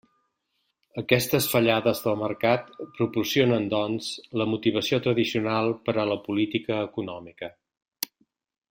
Aquestes fallades del mercat proporcionen, doncs, la motivació tradicional per a la política econòmica.